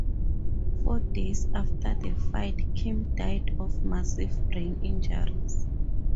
Four days after the fight Kim died of massive brain injuries.